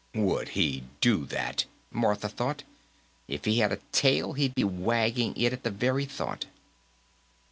Would he do that! Martha thought. If he had a tail, he'd be wagging it at the very thought.